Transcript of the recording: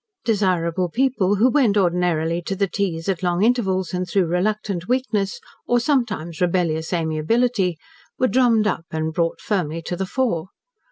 Desirable people, who went ordinarily to the teas at long intervals and through reluctant weakness, or sometimes rebellious amiability, were drummed up and brought firmly to the fore.